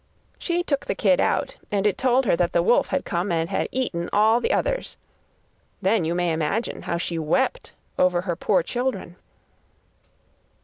She took the kid out, and it told her that the wolf had come and had eaten all the others. Then you may imagine how she wept over her poor children.